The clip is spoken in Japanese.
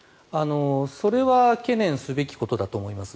それは懸念すべきことだと思います。